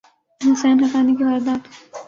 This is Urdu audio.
حسین حقانی کی واردات